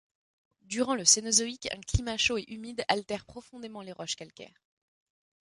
Durant le Cénozoïque, un climat chaud et humide altère profondément les roches calcaires.